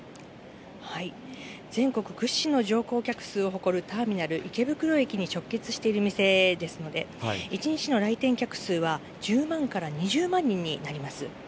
全国屈指の乗降客数を誇るターミナル、池袋駅に直結している店ですので、１日の来店客数は１０万から２０万人になります。